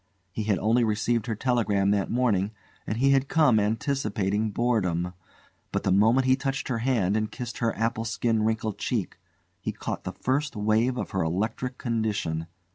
He had only received her telegram that morning, and he had come anticipating boredom; but the moment he touched her hand and kissed her apple skin wrinkled cheek, he caught the first wave of her electrical condition.